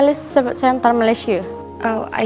tidak ada yang bawa